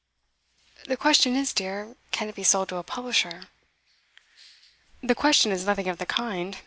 'The question is, dear, can it be sold to a publisher.' 'The question is nothing of the kind.